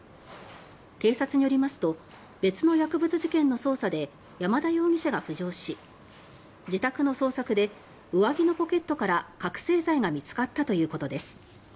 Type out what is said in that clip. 警察によりますと別の薬物事件の捜査で山田容疑者が浮上し自宅の捜索で上着のポケットから覚せい剤が見つかったということです。